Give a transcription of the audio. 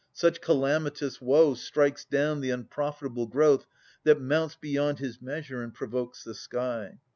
Such calamitous woe Strikes down the unprofitable growth that mounts Beyond his measure and provokes the sky.